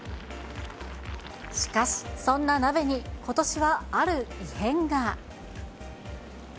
しかし、そんな鍋にことしはある異変が。